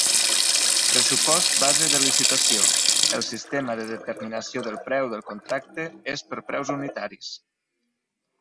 Pressupost base de licitació: el sistema de determinació del preu del contracte és per preus unitaris.